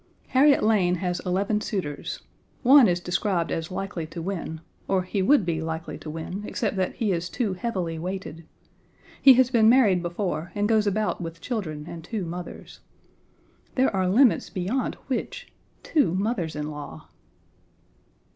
Harriet Lane has eleven suitors. One is described as likely to win, or he would be likely to win, except that he is too heavily weighted. He has been married before and goes about with children and two mothers. There are limits beyond which! Two mothers in law!